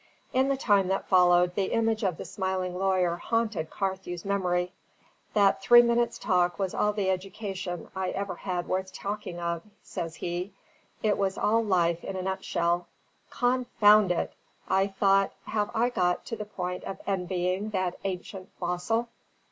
In the time that followed, the image of the smiling lawyer haunted Carthew's memory. "That three minutes' talk was all the education I ever had worth talking of," says he. "It was all life in a nut shell. Confound it! I thought, have I got to the point of envying that ancient fossil?"